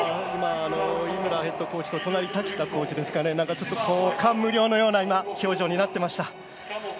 井村ヘッドコーチと滝田コーチ、感無量のような表情になっていました。